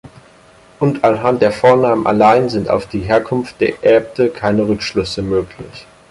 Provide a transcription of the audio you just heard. Und anhand der Vornamen allein sind auf die Herkunft der Äbte keine Rückschlüsse möglich.